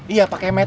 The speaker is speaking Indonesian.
iya pak kemet